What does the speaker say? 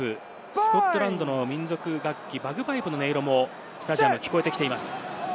スコットランドの民族楽器、バグパイプの音色もスタジアムに聞こえてきています。